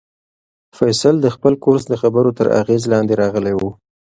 فیصل د خپل کورس د خبرو تر اغېز لاندې راغلی و.